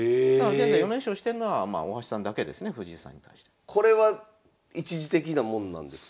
現在４連勝してんのは大橋さんだけですね藤井さんに対して。これは一時的なもんなんですか？